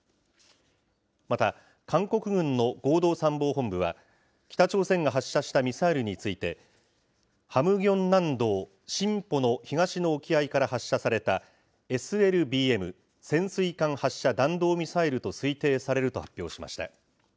また、韓国軍の合同参謀本部は、北朝鮮が発射したミサイルについて、ハムギョン南道シンポの東の沖合から発射された、ＳＬＢＭ・潜水艦発射弾道ミサイルと推定されると発表しました。